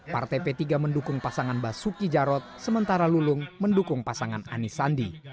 partai p tiga mendukung pasangan basuki jarot sementara lulung mendukung pasangan anisandi